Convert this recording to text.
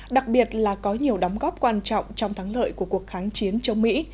đặc biệt là có nhiều đóng góp quan trọng trong thắng lợi của cuộc kháng chiến chống mỹ